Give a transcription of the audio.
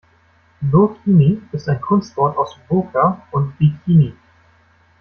Burkini ist ein Kunstwort aus Burka und Bikini.